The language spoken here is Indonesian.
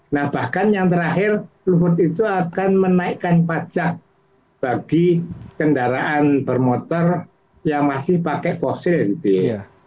nah bahkan yang terakhir luhut itu akan menaikkan pajak bagi kendaraan bermotor yang masih pakai fosil gitu ya